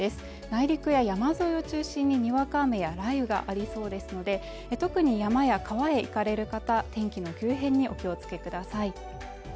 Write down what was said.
内陸や山沿いを中心ににわか雨や雷雨がありそうですので特に山や川へ行かれる方天気の急変にお気をつけください